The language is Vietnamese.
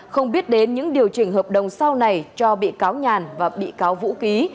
không biết đến những điều chỉnh hợp đồng sau này cho bị cáo nhàn và bị cáo vũ ký